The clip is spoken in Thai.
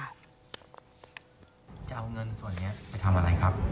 จะเอาเงินส่วนนี้ไปทำอะไรครับ